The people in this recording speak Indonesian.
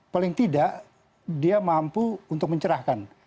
paling tidak dia mampu untuk mencerahkan